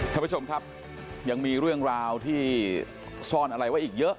ท่านผู้ชมครับยังมีเรื่องราวที่ซ่อนอะไรไว้อีกเยอะ